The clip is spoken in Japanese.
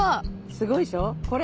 すごいでしょこれ。